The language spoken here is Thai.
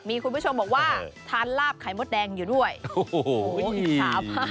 มีคุณผู้ชมบอกว่าทานลาบไข่มดแดงอยู่ด้วยโอ้โหอิจฉามาก